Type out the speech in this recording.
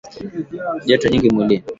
Joto jingi mwilini